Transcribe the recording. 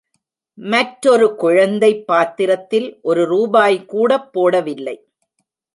மற்றொரு குழந்தை பாத்திரத்தில் ஒரு ரூபாய்கூடப் போடவில்லை.